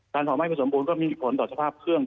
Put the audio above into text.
เผาไหม้ไม่สมบูรณก็มีผลต่อสภาพเครื่อง